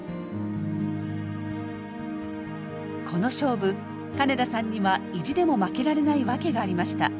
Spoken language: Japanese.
この勝負金田さんには意地でも負けられない訳がありました。